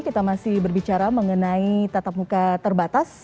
kita masih berbicara mengenai tatap muka terbatas